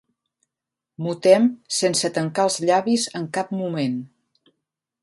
Mutem sense tancar els llavis en cap moment.